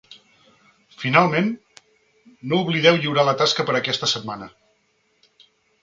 Finalment, no oblideu lliurar la tasca per a aquesta setmana.